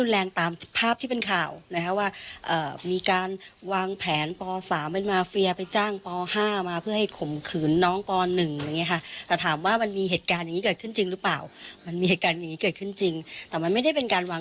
ลองฟังเสียงเจ้าหน้าที่ดูนะคะ